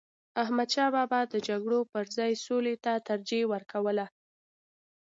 احمدشاه بابا د جګړو پر ځای سولي ته ترجیح ورکوله.